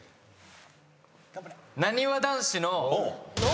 なにわ男子の。